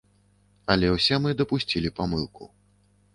Але ўсе мы дапусцілі памылку.